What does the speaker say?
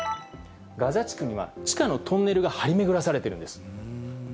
ガザ地区には、地下のトンネルが張り巡らされてるんです。